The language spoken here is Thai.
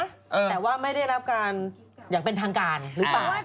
แต่ว่าไม่ได้รับการอย่างเป็นทางการหรือเปล่า